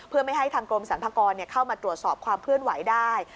เพื่อไม่ให้ทางกรมสรรพากรเข้ามาตรวจสอบความเคลื่อนไหวได้